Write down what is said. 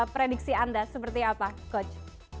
prediksi anda seperti apa coach